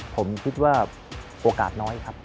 ผมคิดว่าโอกาสน้อยครับ